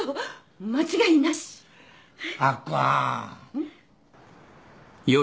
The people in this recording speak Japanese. うん？